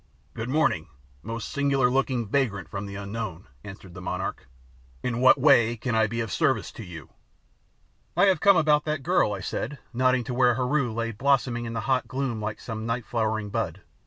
"Good morning, most singular looking vagrant from the Unknown," answered the monarch. "In what way can I be of service to you?'' "I have come about that girl," I said, nodding to where Heru lay blossoming in the hot gloom like some night flowering bud.